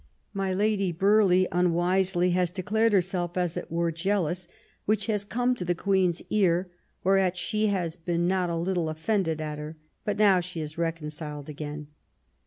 My Lady Burghley unwisely has declared herself as it were jealous, which has come to the Queen's ear; whereat she has been not a little offended at her, but now she is reconciled again.